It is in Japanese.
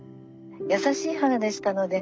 優しい母でしたので。